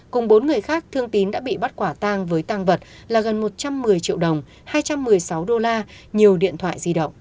cùng bốn người khác thương tín đã bị bắt quả tang với tăng vật là gần một trăm một mươi triệu đồng hai trăm một mươi sáu đô la nhiều điện thoại di động